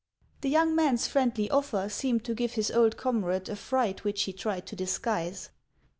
The young man's friendly offer seemed to give his old comrade a fright which he tried to disguise.